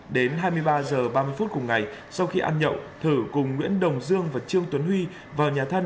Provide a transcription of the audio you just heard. đến hai mươi ba h ba mươi phút cùng ngày sau khi ăn nhậu thử cùng nguyễn đồng dương và trương tuấn huy vào nhà thân